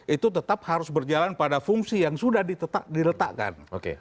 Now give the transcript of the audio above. itu tetap harus berjalan pada fungsi yang sudah diletakkan